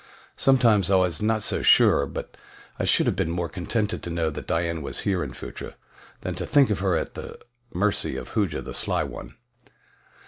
Sometimes I was not so sure but that I should have been more contented to know that Dian was here in Phutra, than to think of her at the mercy of Hooja the Sly One.